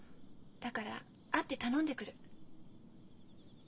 だから会って頼んでくる。